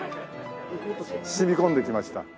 染み込んできました。